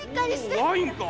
おワインか。